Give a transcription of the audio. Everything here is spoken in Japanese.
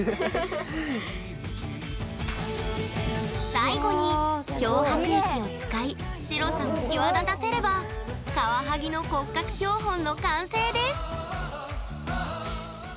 最後に、漂白液を使い白さを際立たせればカワハギの骨格標本の完成です！